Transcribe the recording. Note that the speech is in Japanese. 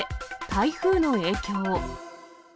台風の影響。